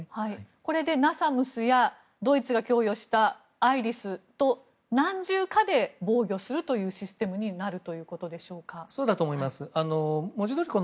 これで、ＮＡＳＡＭＳやドイツが供与したＩＲＩＳと何重かで防御するというシステムにそうだと思います。